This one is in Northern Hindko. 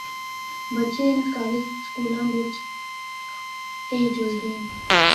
بچے اناں سرکاری سکولاں بچ ای جُلدے ہن۔